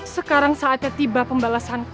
sekarang saatnya tiba pembalasanku